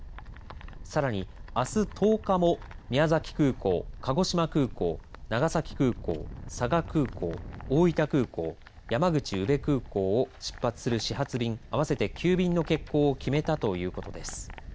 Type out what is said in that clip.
さらにあす１０日も宮崎空港鹿児島空港、長崎空港、佐賀空港大分空港、山口宇部空港を出発する始発便合わせて９便の欠航を決めたということです。